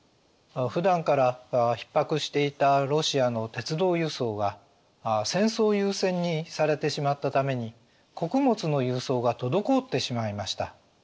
普段からひっ迫していたロシアの鉄道輸送が戦争優先にされてしまったために穀物の輸送が滞ってしまいました。